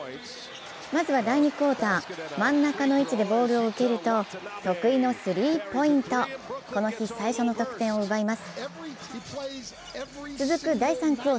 まずは第２クオーター、真ん中の位置でボールを受けると得意のスリーポイント、この日最初の得点を奪います。